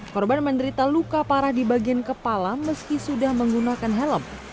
korban menderita luka parah di bagian kepala meski sudah menggunakan helm